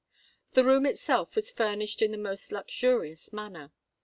The room itself was furnished in the most luxurious manner.